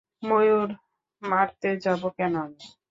ময়ূর মারতে যাবো কেন আমি!